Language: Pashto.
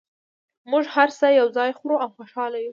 موږ هر څه یو ځای خورو او خوشحاله یو